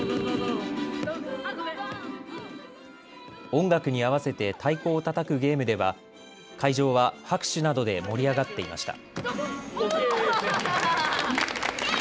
音楽に合わせて太鼓をたたくゲームでは会場は拍手などで盛り上がっていました。